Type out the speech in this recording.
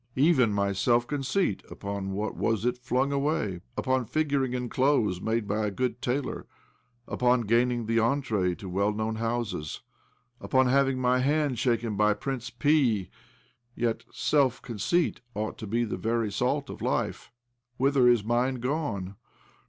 Even my self conceit — upon what was it flung away? Upon figuring in clothes made by a good tailor, upon gaining the entree, to well known houses, upon having my hand shaken by Prince E ! Yet self conceit ought to be the very здк of life. Whither is mine gone?